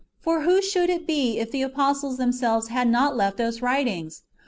For how should it be if the apostles themselves had not left us writings